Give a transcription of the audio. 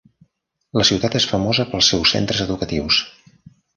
La ciutat és famosa pels seus centres educatius.